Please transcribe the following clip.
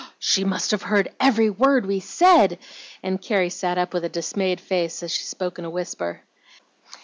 "She must have heard every word we said!" and Carrie sat up with a dismayed face as she spoke in a whisper.